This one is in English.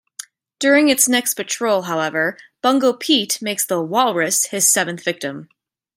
During its next patrol, however, Bungo Pete makes the "Walrus" his seventh victim.